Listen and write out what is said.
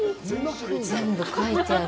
全部、書いてある。